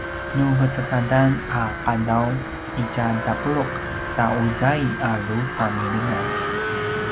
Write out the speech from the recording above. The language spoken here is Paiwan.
nu vecekadan a qadaw itja tapuluq sa uzai a drusa milingan